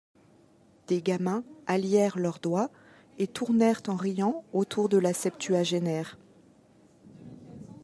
Des gamins allièrent leurs doigts et tournèrent en riant autour de la septuagénaire.